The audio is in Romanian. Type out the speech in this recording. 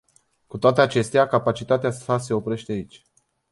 Cu toate acestea, capacitatea sa se oprește aici.